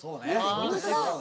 本当だ！